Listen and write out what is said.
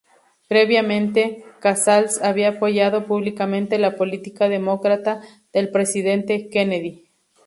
Previamente, Casals había apoyado públicamente la política demócrata del presidente Kennedy.